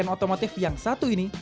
otomotif yang satu ini